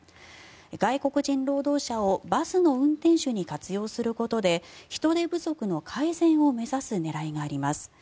外国人労働者をバスの運転手に活用することで人手不足の改善を目指す狙いがあります。